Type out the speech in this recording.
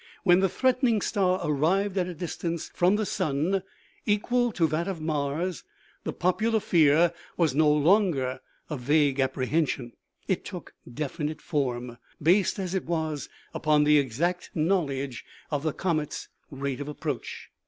When the threatening star arrived at a distance from the sun equal to that of Mars, the popular fear was no longer a vague apprehension ; it took definite form> based, as it was, upon the exact knowledge of the OMEGA . 33 comet's rate of approach.